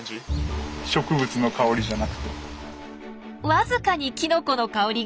わずかにきのこの香りが。